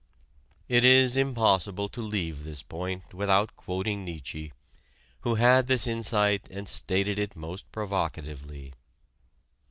It is impossible to leave this point without quoting Nietzsche, who had this insight and stated it most provocatively.